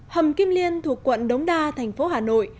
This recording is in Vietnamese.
hầm kim liên thuộc quận đống đa thành phố hà nội